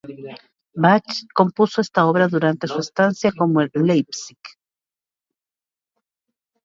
Bach compuso esta obra durante su estancia como en Leipzig.